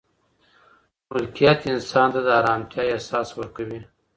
ملکیت انسان ته د ارامتیا احساس ورکوي.